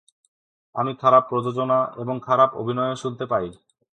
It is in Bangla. আমি খারাপ প্রযোজনা আর খারাপ অভিনয়ও শুনতে পাই।